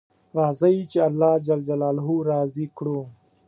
راځئ چې الله جل جلاله راضي کړو